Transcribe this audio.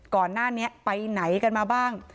ก่อนหน้านี้ไปไหนกันมาบ้าง